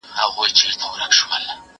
نو د کاینات ټول نظام به.